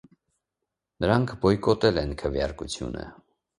Նրանք բոյկոտել են քվեարկությունը։